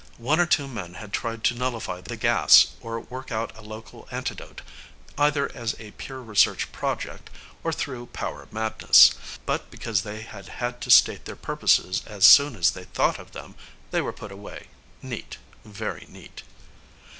One or two men had tried to nullify the gas or work out a local antidote, either as a pure research project or through power madness. But, because they had had to state their purposes as soon as they thought of them, they were put away. Neat. Very neat.